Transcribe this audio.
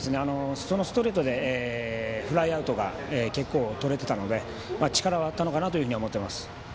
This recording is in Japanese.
そのストレートでフライアウトが結構とれていたので力はあったのかなと見ています。